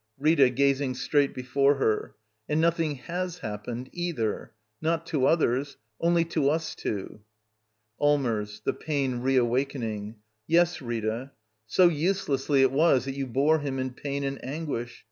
Rita. [Grazing strai^t before her.] And noth ying has happened, either. Not to others. Only to ^ us two. Allmers. [The pain re^awakening.] Yes, Rita — so uselessly it was that you bore him in pain and anguish.